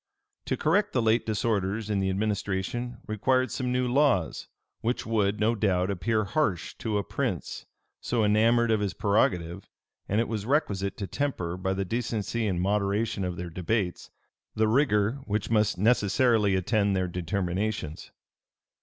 To correct the late disorders in the administration required some new laws, which would, no doubt, appear harsh to a prince so enamored of his prerogative; and it was requisite to temper, by the decency and moderation of their debates, the rigor which must necessarily attend their determinations.